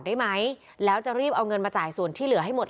ได้ไหมแล้วจะรีบเอาเงินมาจ่ายส่วนที่เหลือให้หมด